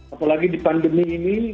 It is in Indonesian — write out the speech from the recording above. apalagi di pandemi ini